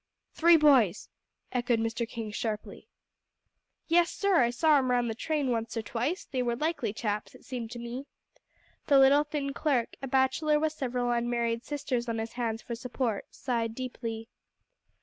"Three boys," echoed Mr. King sharply. "Yes, sir. I saw 'em round the train once or twice; they were likely chaps, it seemed to me." The little, thin clerk, a bachelor with several unmarried sisters on his hands for support, sighed deeply.